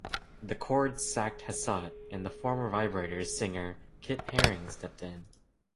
The Chords sacked Hassett, and the former Vibrators' singer Kip Herring stepped in.